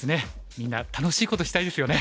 みんな楽しいことしたいですよね。